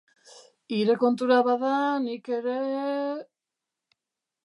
Hire kontura bada, nik ere...